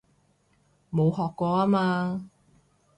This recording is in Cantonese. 冇學過吖嘛